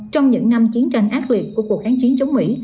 trong những năm chiến tranh ác liệt của cuộc kháng chiến chống mỹ